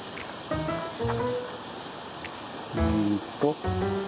うんと。